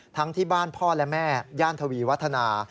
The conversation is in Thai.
ที่บ้านพ่อและแม่ย่านทวีวัฒนา